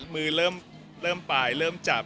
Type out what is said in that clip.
มือเริ่มปลายเริ่มจับ